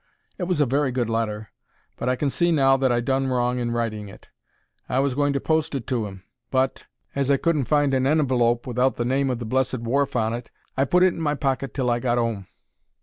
It was a very good letter, but I can see now that I done wrong in writing it. I was going to post it to 'im, but, as I couldn't find an envelope without the name of the blessed wharf on it, I put it in my pocket till I got 'ome.